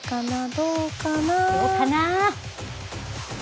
どうかな？